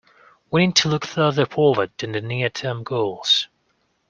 We need to look further forward than the near-term goals